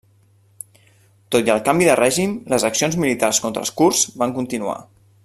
Tot i el canvi de règim les accions militars contra els kurds van continuar.